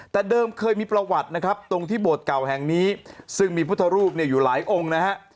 แต่เดิมเคยมีประวัตินะครับตรงที่โบสถเก่าแห่งนี้ซึ่งมีพุทธรูปเนี่ยอยู่หลายองค์นะฮะ